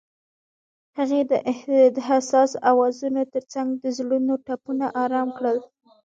هغې د حساس اوازونو ترڅنګ د زړونو ټپونه آرام کړل.